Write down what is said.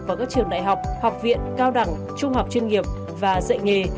vào các trường đại học học viện cao đẳng trung học chuyên nghiệp và dạy nghề